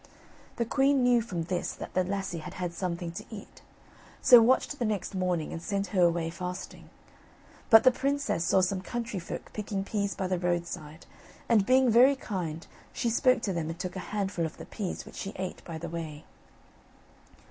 The queen knew from this that the lassie had had something to eat, so watched the next morning and sent her away fasting; but the princess saw some country folk picking peas by the roadside, and being very kind she spoke to them and took a handful of the peas, which she ate by the way.